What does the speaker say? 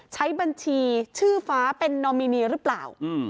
ใช้บัญชีชื่อฟ้าเป็นนอมินีหรือเปล่า